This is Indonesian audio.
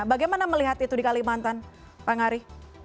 bagaimana melihat itu di kalimantan bang ari